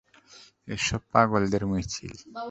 এসব পাগলদের মিছিল।